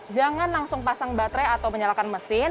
jangan langsung pasang baterai atau menyalakan mesin